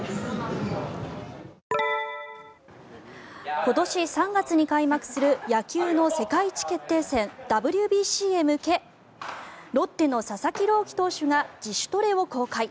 今年３月に開幕する野球の世界一決定戦ＷＢＣへ向けロッテの佐々木朗希投手が自主トレを公開。